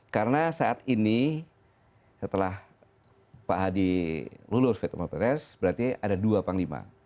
karena saat ini setelah pak hadi lulus vietnames bapak pres berarti ada dua panglima